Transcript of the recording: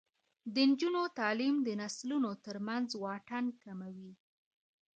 د نجونو تعلیم د نسلونو ترمنځ واټن کموي.